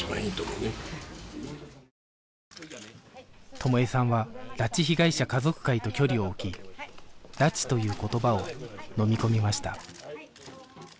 友枝さんは拉致被害者家族会と距離を置き「拉致」という言葉をのみ込みました